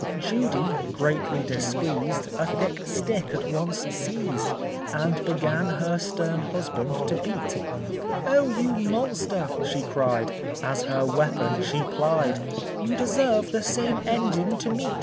Judy, greatly displeased, A thick stick at once seized, And began her stern husband to beat; "O you monster," she cried, As her weapon she plied, "You deserve the same ending to meet."